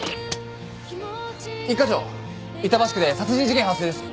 一課長板橋区で殺人事件発生です！